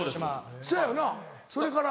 せやよなそれから？